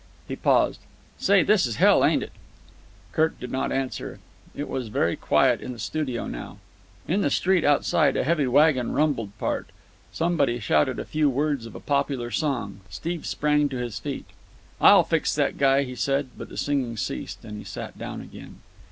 He paused. "Say, this is hell, ain't it?" Kirk did not answer. It was very quiet in the studio now. In the street outside a heavy waggon rumbled part. Somebody shouted a few words of a popular song. Steve sprang to his feet. "I'll fix that guy," he said. But the singing ceased, and he sat down again.